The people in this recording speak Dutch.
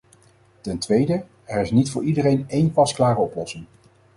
Ten tweede, er is niet voor iedereen één pasklare oplossing.